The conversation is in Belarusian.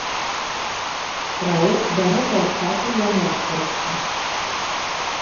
Праект да гэтага часу замоўчваецца.